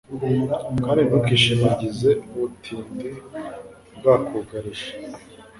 kandi ntukishimagize ubutindi bwakugarije